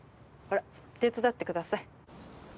ほら手伝ってください。